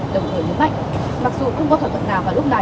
đồng thời nhấn mạnh mặc dù không có thỏa thuận nào vào lúc này